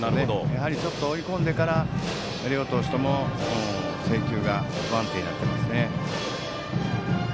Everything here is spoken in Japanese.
やはり追い込んでから両投手とも制球が不安定になっていますね。